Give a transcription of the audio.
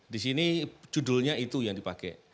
di sini judulnya itu yang dipakai